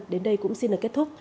đến đây cũng xin kết thúc